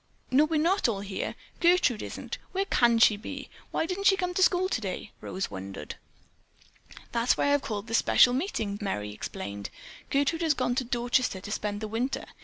"No, we're not all here. Gertrude isn't. Where can she be? Why didn't she come to school today?" Rose wondered. "That's why I have called this special meeting," Merry explained. "Gertrude has gone to Dorchester to spend the winter.